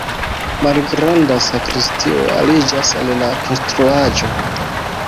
Malgranda sakristio aliĝas al la konstruaĵo.